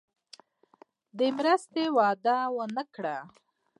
د مرستې وعده ونه کړي.